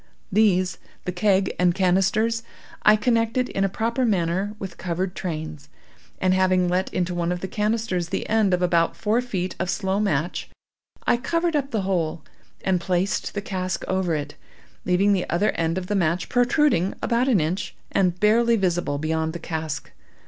These—the keg and canisters—I connected in a proper manner with covered trains; and having let into one of the canisters the end of about four feet of slow match, I covered up the hole, and placed the cask over it, leaving the other end of the match protruding about an inch, and barely visible beyond the cask.